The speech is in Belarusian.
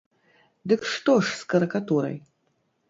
Дык што ж з карыкатурай?